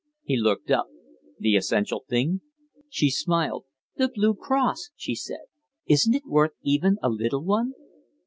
He looked up. "The essential thing?" She smiled. "The blue cross," she said. "Isn't it worth even a little one?"